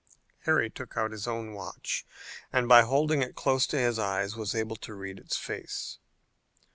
Harry took out his own watch, and by holding it close to his eyes was able to read its face.